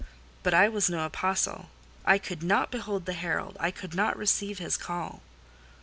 But I was no apostle,—I could not behold the herald,—I could not receive his call.